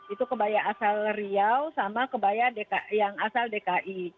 itu kebaya asal riau sama kebaya yang asal dki